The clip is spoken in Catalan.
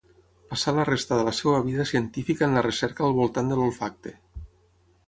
Passà la resta de la seva vida científica en la recerca al voltant de l'olfacte.